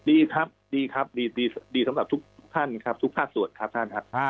ดีครับดีครับดีสำหรับทุกท่านครับทุกภาคส่วนครับท่านครับ